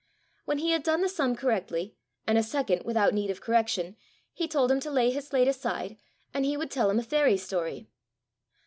When he had done the sum correctly, and a second without need of correction, he told him to lay his slate aside, and he would tell him a fairy story.